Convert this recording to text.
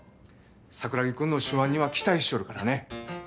桜木くんの手腕には期待しちょるからね。